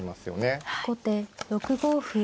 後手６五歩。